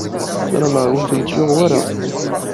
Sarameɣ ur ten-yuɣ wara.